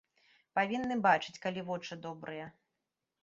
Павінны бачыць, калі вочы добрыя.